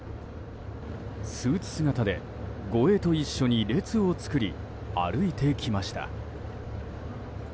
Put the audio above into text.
スーツ姿で、護衛と一緒に列を作り、歩いてきました。